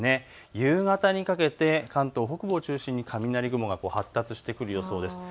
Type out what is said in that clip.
夕方にかけて関東北部を中心に雷雲が発達してくる予想です。